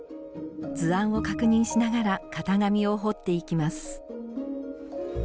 図案を確認しながら型紙を彫っていきます